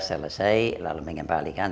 selesai lalu mengembalikan